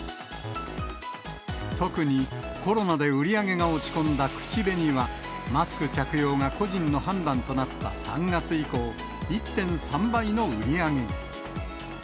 特に、コロナで売り上げが落ち込んだ口紅は、マスク着用が個人の判断となった３月以降、１．３倍の売り上げに。